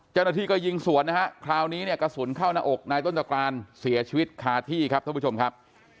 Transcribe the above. เจ้าหน้าที่ก็ยิงสวนนะฮะคราวนี้เนี่ยกระสุนเข้าหน้าอกนายต้นตระกรานเสียชีวิตคาที่ครับท่านผู้ชมครับ